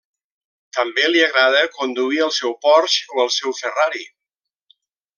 També li agrada conduir el seu Porsche o el seu Ferrari.